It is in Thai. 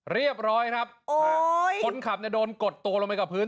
เรียบร้อยครับคนขับเนี่ยโดนกดตัวลงไปกับพื้น